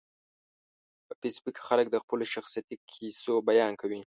په فېسبوک کې خلک د خپلو شخصیتي کیسو بیان کوي